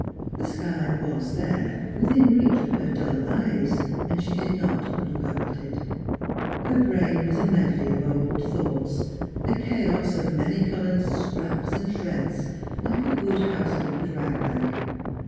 The sky was there, witliin reach of her dull eyes, and she did not look up at it. Her brain was a medley of old thoughts, a chaos of lu any coloured scraps and shreds, like a 360 Strangers and Pilgrims. good housekeeper's rag bag.